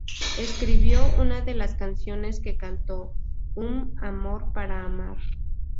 Escribió una de las canciones que cantó, "Um amor para amar".